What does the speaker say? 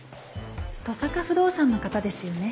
登坂不動産の方ですよね？